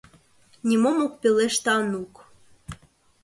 Нимом ок пелеште Анук...